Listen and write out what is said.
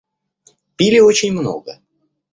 Пили очень много.